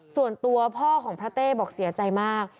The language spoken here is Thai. ส่วนตัวพ่อของพระเต้บอกเสียใจมาก